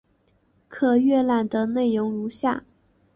可浏览的内容如下。